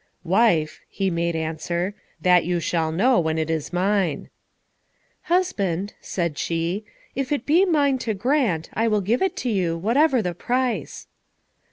"Wife," he made answer, "that you shall know when it is mine." "Husband," said she, "if it be mine to grant, I will give it you, whatever the price."